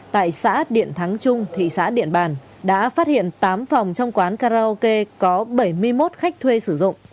tại xã điện thắng trung thị xã điện bàn đã phát hiện tám phòng trong quán karaoke có bảy mươi một khách thuê sử dụng